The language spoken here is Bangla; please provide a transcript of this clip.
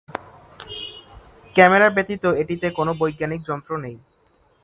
ক্যামেরা ব্যতীত এটিতে কোনও বৈজ্ঞানিক যন্ত্র নেই।